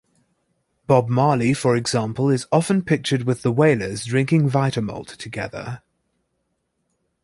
Bob Marley, for example, is often pictured with The Wailers drinking Vitamalt together.